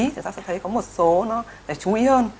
chúng ta sẽ thấy có một số nó để chú ý hơn